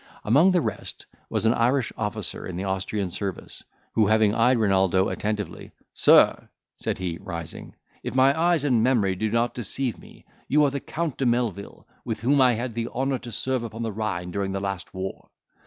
Among the rest, was an Irish officer in the Austrian service, who having eyed Renaldo attentively, "Sir," said he, rising, "if my eyes and memory do not deceive me, you are the Count de Melvil, with whom I had the honour to serve upon the Rhine during the last war."